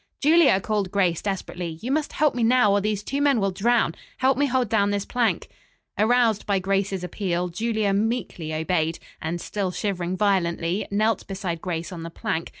"Julia," called Grace desperately. "You must help me now or these two men will drown. Help me hold down this plank." Aroused by Grace's appeal, Julia meekly obeyed, and, still shivering violently, knelt beside Grace on the plank.